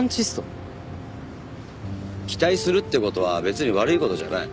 期待するって事は別に悪い事じゃない。